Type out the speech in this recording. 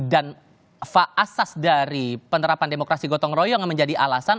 dan faasas dari penerapan demokrasi gotong royong yang menjadi alasan